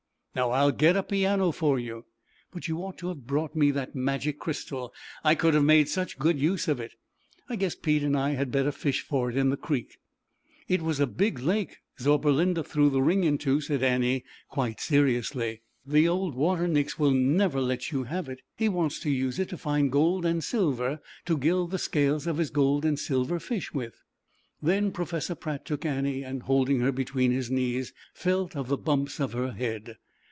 Now I'll get a piano for you. But you ought to have brought me that Magic Crystal, I could have made such good use of it, I guess Pete and I had better fish for it in the creek." was a big Lake Zauberlinda threw the ring into," said Annie, quite seriously. 252 ZAUBERLINDA, THE WISE WITCH. rib "The old water Nix will never let you have it, he wants to use it to find gold and silver to gild the scales of his gold and Silver Fish with." Then Professor Pratt took Annie and holding her between his knees, felt of the bumps of her head.